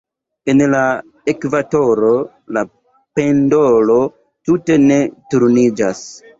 En la ekvatoro, la pendolo tute ne turniĝas.